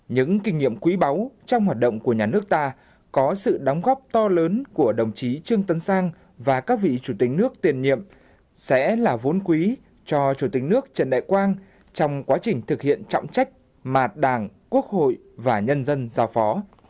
những kinh nghiệm quý báu trong hoạt động của nhà nước ta có sự đóng góp to lớn của đồng chí trương tấn sang và các vị chủ tịch nước tiền nhiệm sẽ là vốn quý cho chủ tịch nước trần đại quang trong quá trình thực hiện trọng trách mà đảng quốc hội và nhân dân giao phó